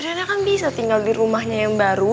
sebenarnya kan bisa tinggal di rumahnya yang baru